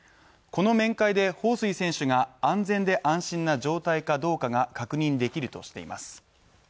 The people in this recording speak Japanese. この面会で彭帥選手が安全で安心な状態かどうかが確認できるとしています。